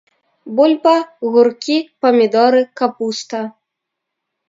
Бульба, гуркі, памідоры, капуста.